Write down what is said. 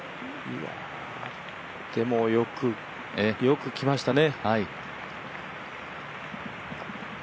でもよくきましたね。